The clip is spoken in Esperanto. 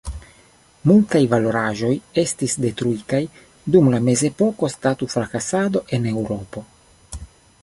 Multaj valoraĵoj estis detruitaj dum la mezepoka statufrakasado en Eŭropo.